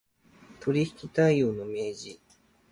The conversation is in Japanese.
取引態様の明示